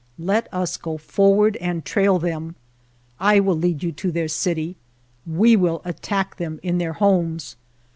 Let us go forward and trail them — I will lead you to their city — we will attack them in their homes.